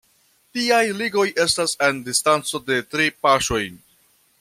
Tiaj ligoj estas en distanco de tri paŝoj.